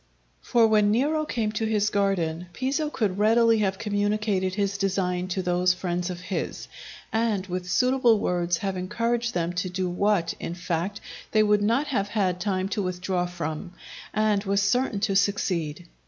For when Nero came to his garden, Piso could readily have communicated his design to those friends of his, and with suitable words have encouraged them to do what, in fact, they would not have had time to withdraw from, and was certain to succeed.